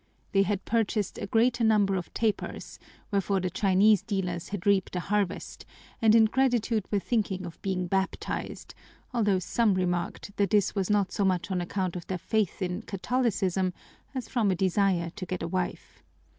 They had purchased a greater number of tapers, wherefor the Chinese dealers had reaped a harvest and in gratitude were thinking of being baptized, although some remarked that this was not so much on account of their faith in Catholicism as from a desire to get a wife.